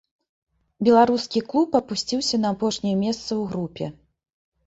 Беларускі клуб апусціўся на апошняе месца ў групе.